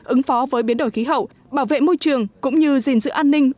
ứng phó với biến đổi khí hậu bảo vệ môi trường cũng như gìn giữ an ninh